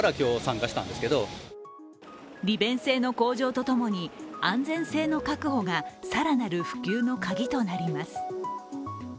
利便性の向上とともに、安全性の確保が更なる普及のカギとなります。